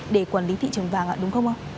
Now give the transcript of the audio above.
để quản lý thị trường vàng đúng không ạ